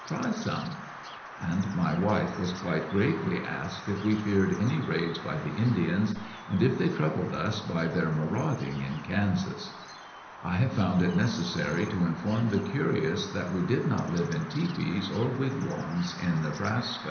Try some," And my wife has been quite gmvely asked if we feared any raids by the Indians, and if they troubled us by their marauding^ in Kansas, 165 ^ecoUections of a I have found it necessary to inform the curious that we did not live in tepees or wigwams in Nebraska.